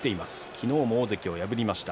昨日も大関を破りました。